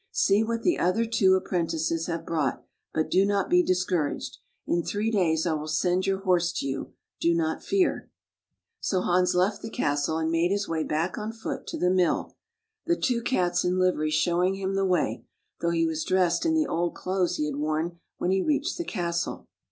See what the other two apprentices have brought, but do not be discouraged. In three days I will send your horse to you. Do not fear." So Hans left the castle, and made his way back on foot to the mill, the two Cats in livery showing him the way, though he was dressed in the old clothes he had worn when he reached the castle.